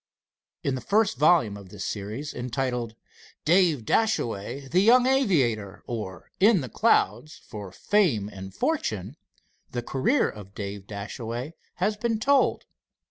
In the first volume of this series, entitled: "Dave Dashaway, the Young Aviator; Or, In the Clouds for Fame and Fortune," the career of Dave Dashaway has been told.